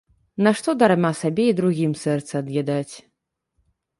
Нашто дарма сабе і другім сэрца ад'ядаць.